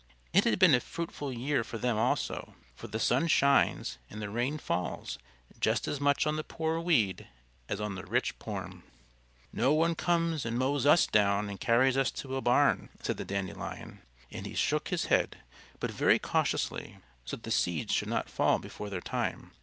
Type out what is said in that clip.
It had been a fruitful year for them also, for the sun shines and the rain falls just as much on the poor weed as on the rich porn. "No one comes and mows us down and carries us to a barn," said the Dandelion, and he shook his head, but very cautiously, so that the seeds should not fall before their time.